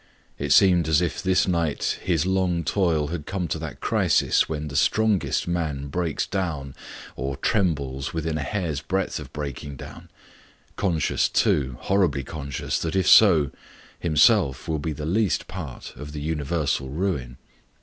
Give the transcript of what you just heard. It seemed as if this night his long toil had come to that crisis when the strongest man breaks down or trembles within a hair's breadth of breaking down; conscious too, horribly conscious, that if so, himself will be the least part of the universal ruin.